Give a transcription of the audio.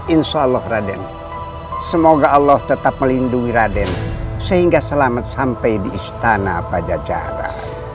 insya allah raden semoga allah tetap melindungi raden sehingga selamat sampai di istana pajajaran